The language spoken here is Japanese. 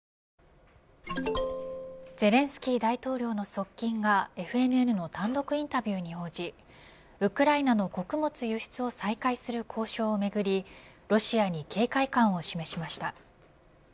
ゼレンスキー大統領の側近がＦＮＮの単独インタビューに応じウクライナの穀物輸出を再開する交渉をめぐりロシアに警戒感を示しました。